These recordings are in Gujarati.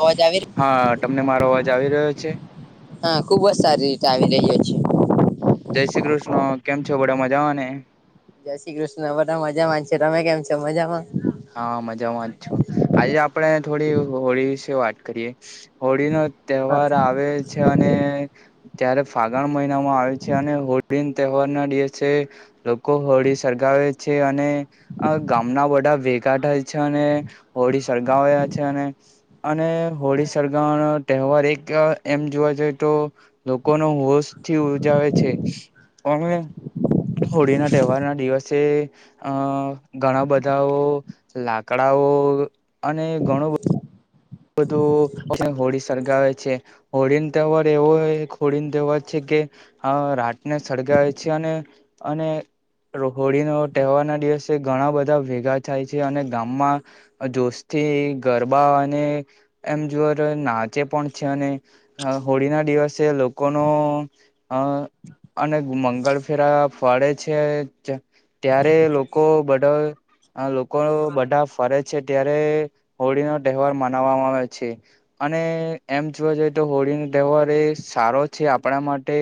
અવાજ આવી રહ્યો? હા તમને મારો અવાજ આવી રહ્યો છે. હા ખુબજ સારી રીતે આવી રહ્યો છે. જય શ્રી કૃષ્ણ કેમ છો બડા મજા માં ને. જય શ્રી કૃષ્ણ બધા મજા મામાં છે, તમે કેમ છો મજામાં. હા મજામાં જ છો. આજે આપણે થોડી હોળી વિશે વાત કરીએે હોળી નો હા તહેવાર આવે છે અને ત્યારે ફાગણ મહિનામાં આવે છે અને હોડી ન તહેવાર ના દિવસે લોકો હોળી સળગાવે છે અને અ ગામના વડા વે કાઠાય છે અને હોળી સળગાવ્યા છે અને અને હોળી સળગાવાનો તેહવાર એક અ એમ જોવા જઈ તો લોકોનો હોશ થી ઉજાવે છે અને હોળીના તેહવારના દિવસે અ ઘણા બધાઓ લાકડાઓ અને ઘણું બ બધું [unintelligible] હોળી સળગાવે છે. હોળીન તેહવાર એવો હોય એક હોળીન તેહવાર છે કે હા રાતના સળગાવે છે અને અને લોકો હોળીનો તેહવાર ના દિવસે ઘણા બધા ભેગા થાય છે અને ગામમાં અ જોસ્તી ગરબા અને એમ જોવા જઈ નાચે પણ છે અને અ હોળીના દિવસે લોકોનો અ અને મંગળ ફેરા ફાડે છે, જે ત્યારે લોકો બધા અ લોકો બધા ફરજ છે ત્યારે હોળીનો તહેવાર મનાવામાં આવે છે. અને એમ જોવા જઈએ તો હોળીનો તેહવાર એ સારો છે આપણા માટે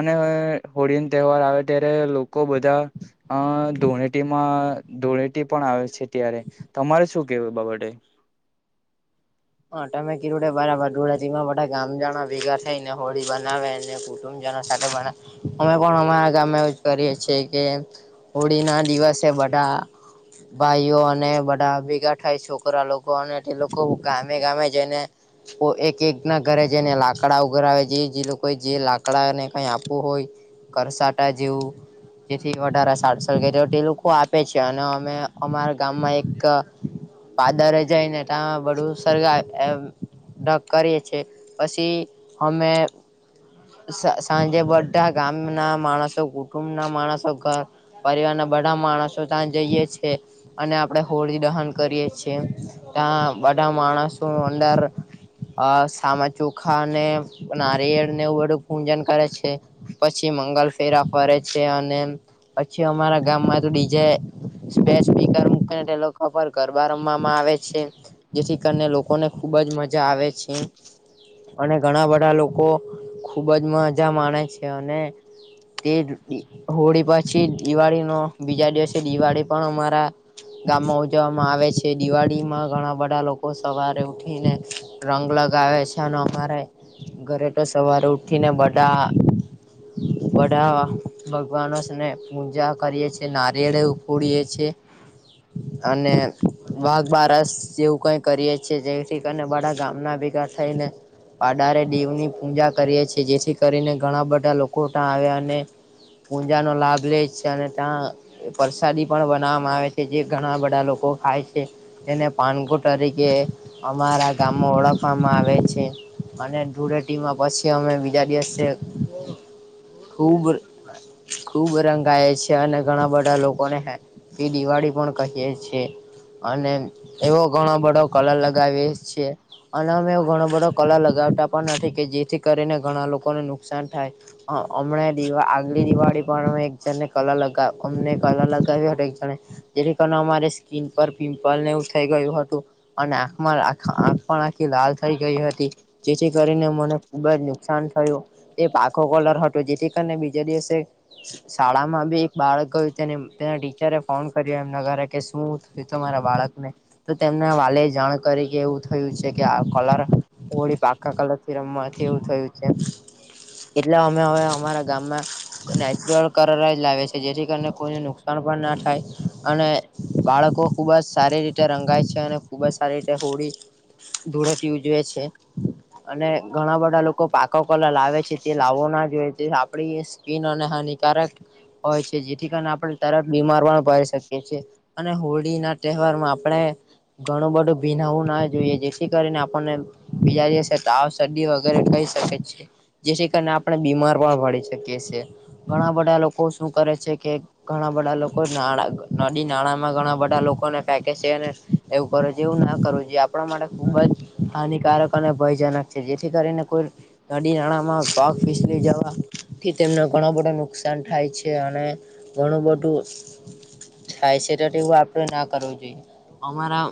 અને હોળીન તેહવાર આવે ત્યારે લોકો બધા અ ધુણેટીમાં ધોળેટી પણ આવે છે ત્યારે તમારે શું કેવું એ બાબતે? હ તમે કીધું તે બરાબર ધૂળેટીમાં બધા ગામ જણા ભેગા થઈ ને હોળી બનાવે ને જણા સાથે બના, અમે પણ અમારા ગામમાં એવું જ કરીએ છીએ કે હોળીના દિવસે બધા ભાઈઓ અને બધા ભેગા થાય છોકરા લોકો અને તે લોકો ગામે ગામે જઈને ઓ એક એક ના ઘરે જઈને લાકડા ઉઘરાવે જે જે લોકો જે લાકડા ને કઈ આપવું હોય કરસાટા જેવું જેથી વધારે સારસક તે લોકો આપે છે અને અમે અમારા ગામમાં એક પાદરે જાઈ ને તા બધું સળગાવે એમ તપ કરીએ છીએ પછી અમે સ સાંજે બધા ગામના માણસો કુટુંબના માણસો ઘ પરિવારના બધા માણસો ત્યાં જઈએ છે. અને આપડે હોળી દહન કરીએ છીએ, ત્યાં બધા માણસો અંદર અ સામા ચોખાને નારિયેળને એવું બધું પૂજન કરે છે. પછી મંગલ ફેરા ફરે છે અને પછી અમારા ગામમાં તો ડીજે બે સ્પીકર મૂકે તે લોકો પર ગરબા રમવામાં આવે છે જેથી કરીને લોકોને ખૂબજ મજા આવે છે. અને ઘણા બધા લોકો ખુબજ મજા માણે છે અને તે હોળી પછી દિવાળી ન બીજા દિવસે દિવાળી પણ અમારા ગામમાં ઉજવવામાં આવે છે દિવાળી માં ઘણા બધા આપડા લોકો સવારે ઉઠીને રંગ લગાવે છે અને અમારે ઘરે તો સવારે ઉઠીને બડા બધા ભગવાનો સને પૂજા કરીએ છીએ નારિયેળે ફોડીએે છીએ અને વાઘ બારસ જેવું કઈ કરીએ છીએ જેથી કરીને બધા ગામના ભેગા થઈને પાડારે દેવની પૂજા કરીએ છીએ જેથી કરીને ઘણા બધા લોકો ત્યા આવ્યા ને પૂજાનો લાભ લે છે અને ત્યાં એ પરસાદી પણ બનાવવામાં આવે છે જે ઘણા બધા લોકો ખાય છે એને પાનગો તરીકે અમારા ગામમાં ઓળખવામાં આવે છે. અને ધૂળેટીમાં પછી અમે બીજા દિવસે ખુબ ખુબ રંગાય છે અને ઘણા બધા લોકોને હે એ દિવાળી પણ કહીએ છે અને એવો ઘણો બધો કલર લગાવીએ છીએ. અન અમે એવો ઘણો બધો કલર લગાવતા પણ નથી કે જેથી કરીને ઘણા લોકોને નુકસાન થાય. અ હમણે દિવા આગલી દિવાળી પણ અમે એક જણને કલર લગાવ અમને કલર લગાવીયો તો એક જને જેથી કાર અમારે સ્કીિન પર પિમ્પલ નેવું થઈ ગયું હતું અને આખમાં આંખ આખી લાલ થઈ ગઈ હતી જેથી કરીને મને ખૂબ જ નુકસાન થયું એ પાખો કલર હતો જેથી કરીને બીજા દિવસે શાળામાં બી એક બાળકયું તેને તેના ટીચરે ફોન કર્યો એમના ઘરે કે શું એ તો મારા બાળક ને તો તેમના વાલે જાણ કરી કે એવું થયું છે કે આ કલર ઓડી પાકા કલર રમવાથી એવું થયું છે એટલે અમે હવે અમારા ગામમાં કર લાવે છે જેથી કરીને કોઈને નુકસાન પણ ના થાય અને બાળકો ખુબ જ સારી રીતે રંગાય છે અને ખૂબ જ સારી રીતે હોળી ધૂરથી ઉજવે છે અને ઘણા બધા લોકો પાકો કલર લાવે છે તે લાવવો ના જોઈએ તે આપણી સ્કીન અને હાનિકારક હોય છે જેથી કારણે આપણે તર બીમાર પણ ભરી શકીએ છીએ અને હોળી ના તહેવાર માં આપણે ઘણું બધું ભીનવું ના જોઈએ જેથી કરીને આપણને બીજા દિવસે તાવ શરદી વગેરે કઈ શકે છે જેથી કરીને આપણે બીમાર પણ પડીી શકીએ છે ઘણા બધા લોકો શું કરે છે કે ઘણા બધા લોકો નાણા નદી નાણાંમાં ઘણા બધા લોકોને ફેકે છે એવું કરો છે એવું ના કરવું જે આપણા માટે ખુબ જ હાનિકારક અને ભયજનક છે જેથી કરીને કોઈ ગાડી નાણામાં પાક ફિલી જ થી તેમને ઘણ બધો નુકસાન થાય છે અને ઘણું બધું હાય સટવું આપડે ના કરું જોઈએ અમારા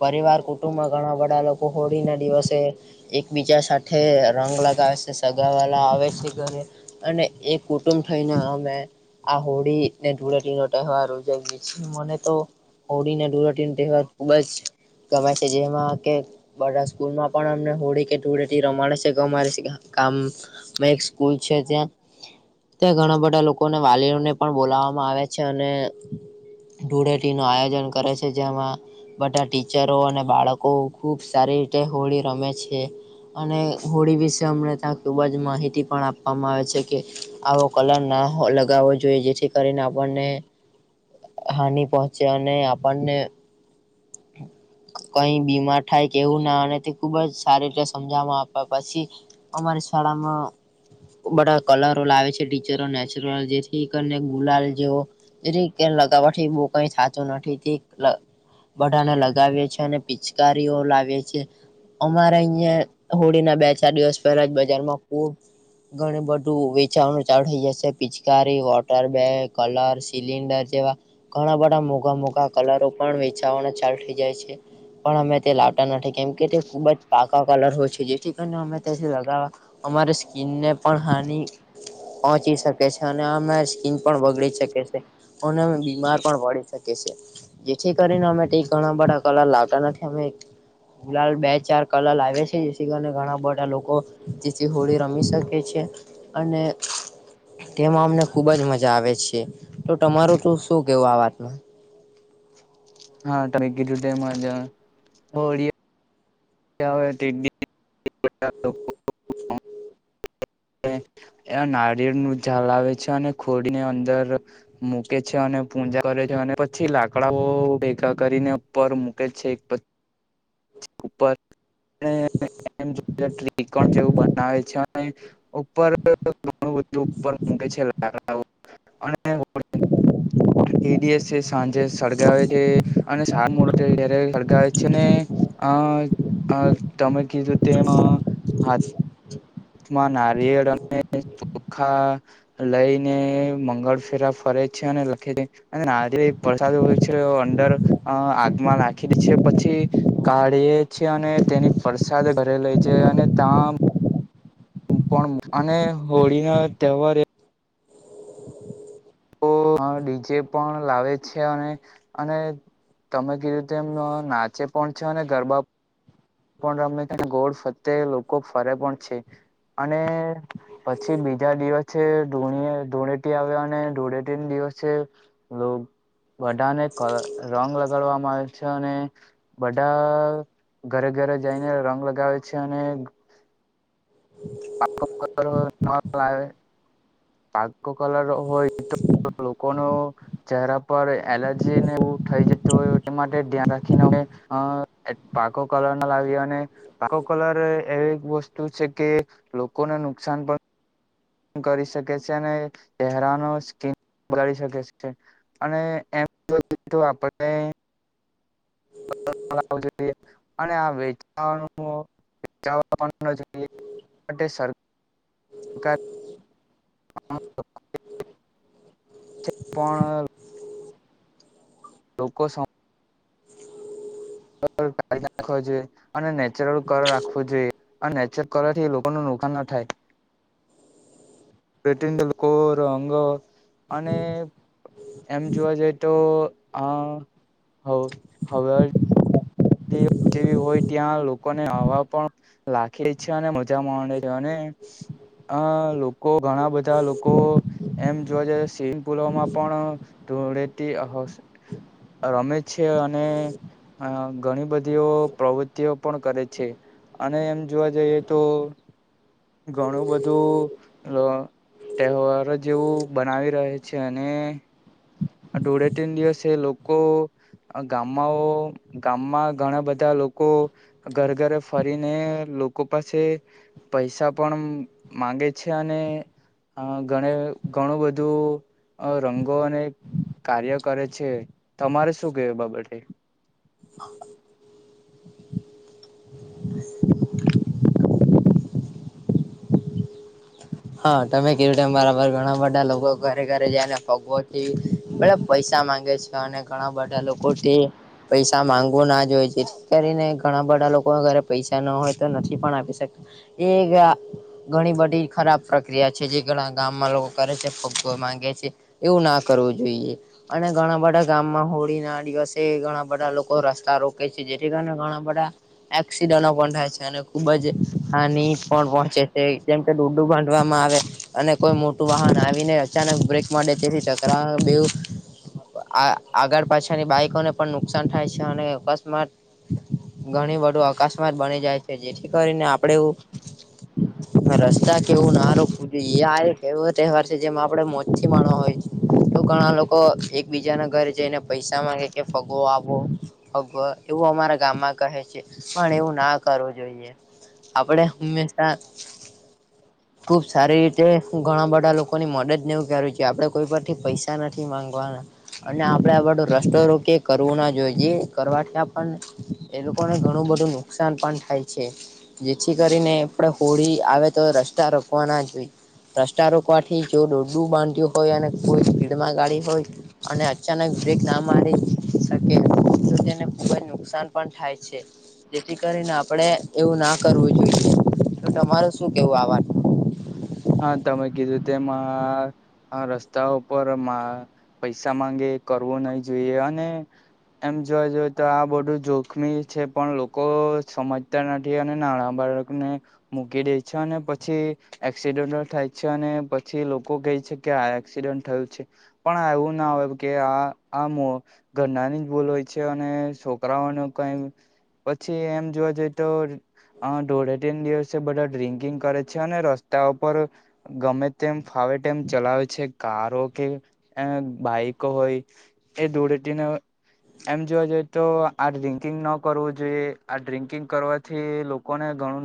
પરિવાર કુટુંબમાં ઘણા બધા લોકો હોળી ના દિવસે એકબીજા સાથે રંગ લગાવે છે સગાવાલા આવે છે ઘરે અને એ કુટુંબ થઈને અમે આ હોળી ને ધૂળેટી રટ રોજાઈ ગ છે મને તો હોળી ને ધૂળ તવાર ખુબ જ ગમાય છે જેમાં કે બધા સ્કૂલ માં પણ અમને હોળી કેટળે રમાડ છે કે અમારી કામ એક સ્કૂલ છે ત્યાં ત્યાં ઘણા બધા લોકોને વાલીઓને પણ બોલાવવામાં આવે છે અને ધૂળેટી ન આયોજન કરે છે જેમાં બધા ટીચરો અને બાળકો ખુબ સારી રીતે હોળી રમે છે અને હોળી વિશે અમને ત્યાં ખુબ જ માહિતી પણ આપવામાં આવે છે કે આ કલર ના લગાવવો જોઈએ જેથી કરીને આપણને હાનિ પહોંચે અને આપણને કઈ બીમાર થાય કેવું ના તે ખુબ જ સારી રીતે સમજવામાં આપ પછી અમારી શાળામાં બધા કલરો લાવે છે ટીચરો નેચરલ જેથી કરીને ગુલાલ જેવો લગાવવાથી બહુ કઈ સાતું નથી બડાાને લગાવે છે અને પિચકારીઓ લાવે છે અમારે અહં હોળીના બે ચાર દિવસ પહેલા જ બજારમાં ખૂબ ઘણ બધું વેચાવાનું ચાલુ થઇ જશે પિચકારી વોટર બેગ કલર સિલિન્ડર જેવા ઘણા બધા મોઘા મોઘા કલરો પણ વેચ ચાલ થઈ જાય છે પણ અમે તે લાવતા નથી કેમ કે તે ખુબ જ પાકા કલર હોય છે જેથી અને અમે તેથી લગાવવા અમારી સ્કીનને પણ હાની પહોંચી શકે છે અને આમે સ્કીન પણ બગડી શકે છે. પણ બીમાર પણ વડી શકે છે જેછે થી કરીને અમે ઘણા બડા કલર લાવતા નથી અમે લાલ બે ચાર કલર લાવેે છે જેથી કરીને ઘણા બધા લોકો જેથી હોળી રમી શકે છે અને તેમાં અમને ખુબ જ મજા આવે છે, તો તમારું તો શું કેવું આ વાતમાં. હા તને કીધું તેમજ હોળી જાવે તેદી એ નારિયળનું ઝાળ આવે છે, અને ખોડીની અંદર મૂકે છે, અને પૂજા કરે છે, અને પછી લાકડાઓ ભેગા કરીને ઉપર મૂકે છે પછ ઉપર [unintelligible] ત્રિકોણ જેવું બનાવે છે, અને ઉપર ઘણું બધું ઉપર મુકેે છે, લાકડાઓ અને એ ડીએસે સાંજે સડગાવે છે. અને સારું મોરત ત્યારે સળગાવે છે ને હ અ તમે કીધું તેમ માં નારિયેળ અને ચોખા લઈને મંગળ ફેરા ફરે છે અને લખે [unintelligible] અને આજે વરસાદ હોય છે, અંદર આગમાં નાખી દે છે, પછી કાઢીએ છીએ અને તેની પરસાદ ઘરે લઈ જાય, અને તમામ હું પણ અને હોળી ના તહેવારે અ ડીજે પણ લાવે છે અને અને તમે કીધું તેમ એમ નાચે પણ છે અને ગરબા પણ રમને ગોળ ફરતે લોકો ફરે પણ છે અને પછી બીજા દિવસે ધૂણે ધૂળેટી આવે અને ધૂળેટીને દિવસે લોગ બધાને રંગ લગાડવામાં આવે છે અને બધા ઘરે ઘરે જઈને રંગ લગાવે છે અને પાકો કલર હોય [inaudible] પાકો કલર હોય તો લોકોનો ચહેરા પર એલર્જી ને એવું થઈ જતું હોય, એ માટે ધ્યાન રાખીને અમે અ પાકો કલર ના લાવી અને પાકો કલર એવી વસ્તુ છે કે લોકોને નુકસાન પણ કરી શકે છે અને ચહેરાનો સ્કીન બગાડી શકે છે. અને એમ જોવા જઈ તો આપણે [unintelligible] અટે સર હા [inaudible] પણ લોકો સ ઉપર ના હોય છે. અને નેચરલ કલર રાખવો જોઈએ, અને નેચરલ કલર થી લોકોનું નુકસાન ના થાય. પેડિન લોકો રંગ અને એમ જોવા જઈતો આ હવે. જેવી હોય ત્યાં લોકોને હવા પણ રાખડે છે, અને મજા માંડે છે અને અ લોકો ઘણા બધા લોકો એમ જોવા જઈ સ્વિમિંગ પુલોમાં પણ ધૂળેટી [unintelligible] રમે છે અને ઘણી બધીઓ પ્રવૃત્તિઓ પણ કરે છે અને એમ જોવા જઈએ તો ઘણું બધું અ, તહેવાર જેવું બનાવી રહે છે અને આ ધુળેટીના દિવસે એ લોકો ગામમાં ઓ ગામમાં ઘણા બધા લોકો ઘર ઘરે ફરીને લોકો પાસે પૈસા પણ માંગે છે અને હ ઘણે ઘણું બધું રંગો અને કાર્ય કરે છે તમારે શું કેવું બાબતે [inaudible] હા તમે કીધું તેમ બરાબર ઘણા બધા લોકો ઘરે ઘરે જાયને ફગોતી બધા પૈસા માંગે છે અને ઘણા બધા લોકો તે પૈસા મામાંગવું ના જ હોય છે. કરીને ઘણા બધા લોકો ઘરે પૈસા ન હોય તો નથી પણ આપી શકતા. એ ઘણી બધી ખરાબ પ્રક્રિયા છે જે ઘણા ગામમાં લોકો કરે છે ફગવો માંગે છે એવું ના કરવું જોઈએ. અને ઘણા બધા ગામમાં હોળી ના દિવસે ઘણા બધા લોકો રસ્તા રોકે છે. જેથી કરીને ઘણા બધા એક્સિડન્ટ પણ થાય છે અને ખુબ જ હાનિ પણ પહોંચે છે કેમ કે ડૂડુ બાંધી કરવામાં આવે. અને કોઈ મોટું વાહન આવીને અચાનક બ્રેક મારે દે તેથી ટકરાનુ બેવુ આ આગળ પાછાડ ની બાઈકોને પણ નુકસાન થાય છે અને અકસ્માત ઘણી બધું અકસ્માત બની જાય છે જેથી કરીને આપણેે એવું રસ્તા જ - કેવું ના જોઈ આ એક એવો તહેવાર છે જેમાં આપડે મોછી માણવા હોય તો ઘણા લોકો તો એકબીજાનાં ઘરે જઈને પૈસા માંગે કે ફગવો આપો. અગ એવું અમારા ગામમાં કહે છે પણ એવું ના કરવું જોઈએ. આપડે હંમેશા ખુબ સારી રીતે ઘણા બધા લોકોની મદદ નેવું કરવુ છે. આપણે કોઈ પરથી પૈસા નથી માંગવાના. અને આપડે આ બધો રસ્તો રોકીએ કરવું ના જોઈએ. કરવાથી આપણને એ લોકોને ઘણું બધું નુકસાન પણ થાય છે. જેથી કરીને આપણે હોળી આવે તો રસ્તા રોકવા ના જોઈએ. રસ્તા રોકવાથી જો ડોડું બાંધ્યું હોય અને કોઈ સ્પીડમાં ગાડી હોય અને અચાનક બ્રેક ના મારે શકે તો તેને ખુબ જ નુકસાન પણ થાય છે. જેથી કરીને આપણેે એવું ના કરવું જોઈએ. તો તમારે શું કેવું આ વાત હા તમે કીધું તેમ આ રસ્તા ઉપર પૈસા માંગે કરવો નહી જોઈએ અને એમ જોવા જોય તો આ બધું જોખમી છે પણ લોકો સમજતા નથી. અને નાણાં બાળકને મૂકી દે છે અને પછી એક્સિડન્ટ થાય છે અને પછી લોકો કહે છે કે આ એક્સિડન્ટ થયું છે. પણ એવું ના હોય કે આ આમ ઘરનાની જ બૂલ હોય છે અને છોકરાઓને કઈ પછી એમ જોવા જઈએ તો અ ધુળેટીના દિવસે બધા ડ્રિન્કિંગ કરે છે અને રસ્તા ઉપર ગમે તેમ ફાવેટેમ ચલાવે છે કારો કે બાઈકો હોય એ ધૂળેટીને એમ જોવા જઈએ તો આ ડ્રિંકિંગ ન કરવું જોઈએ. આ ડ્રિન્કિંગ કરવાથી લોકોને ઘણું નુ